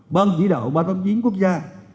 ban chỉ đạo ba trăm linh chín quốc gia